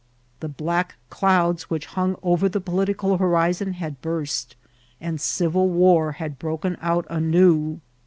The black douds which hung over the political horiaon had burst, and civil war had broken out anew.